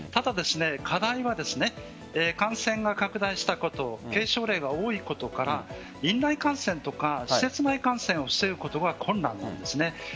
課題は、感染が拡大したこと軽症例が多いことから院内感染とか施設内感染を防ぐことが困難なんです。